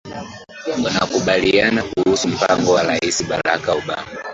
wanakubaliana kuhusu mpango wa rais barack obama